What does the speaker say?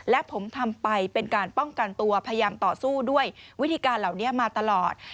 และผมทำไปเป็นการป้องกันตัวพยายามต่อสู้ด้วยวิธีการเหล่านี้มาตลอด